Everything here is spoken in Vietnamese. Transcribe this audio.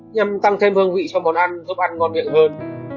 nhằm tăng thêm hương vị cho món ăn thức ăn ngon miệng hơn